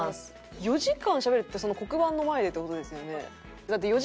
４時間喋るって黒板の前でって事ですよね？